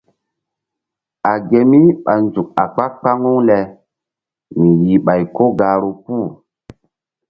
A ge mí ɓa nzuk a kpa-kpaŋu le mi yih ɓay ko gahru puh.